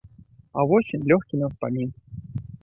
А вось ён, лёгкі на ўспамін.